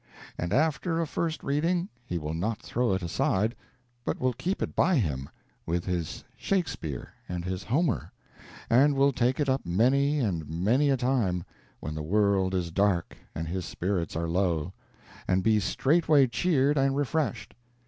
And after a first reading he will not throw it aside, but will keep it by him, with his Shakespeare and his Homer, and will take it up many and many a time, when the world is dark and his spirits are low, and be straightway cheered and refreshed.